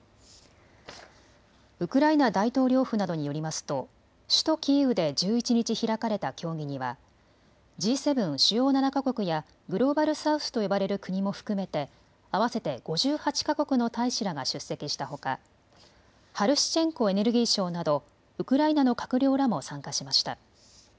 ウクライナ大統領府などによりますと首都キーウで１１日開かれた協議にはＧ７・主要７か国やグローバル・サウスと呼ばれる国も含めて合わせて５８か国の大使らが出席したほかハルシチェンコエネルギー相などウクライナの閣僚らも参加しました。